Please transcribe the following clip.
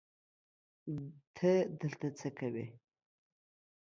ته دلته څه کوی